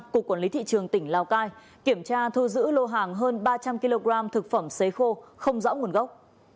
cục quản lý thị trường tỉnh lào cai kiểm tra thu giữ lô hàng hơn ba trăm linh kg thực phẩm xấy khô không rõ nguồn gốc